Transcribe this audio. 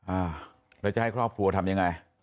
อ้าวแล้วจะให้ครอบครัวทำยังไง